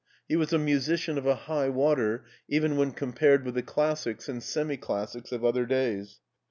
He was a musician of a high water, even when compared with the classics and semi classics of other days.